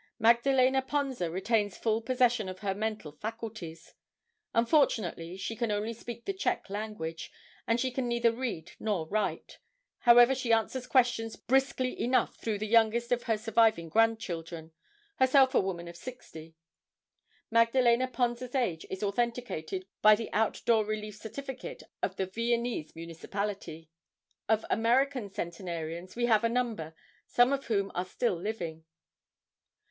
Magdalene Ponza retains full possession of her mental faculties. Unfortunately she can only speak the Czech language, and she can neither read nor write. However, she answers questions briskly enough through the youngest of her surviving grandchildren, herself a woman of 60. Magdalene Ponza's age is authenticated by the outdoor relief certificate of the Viennese Municipality." Of American centenarians we have a number, some of whom are still living.